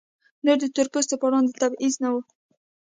نور د تور پوستو پر وړاندې تبعیض نه و.